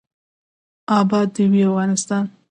اباد دې وي افغانستان.